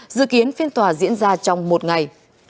dự kiến phiên tòa diễn ra trong một ngày